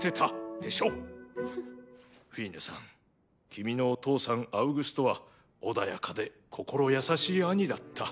君のお父さんアウグストは穏やかで心優しい兄だった。